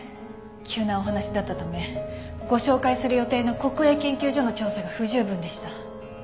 急なお話だったためご紹介する予定の国営研究所の調査が不十分でした。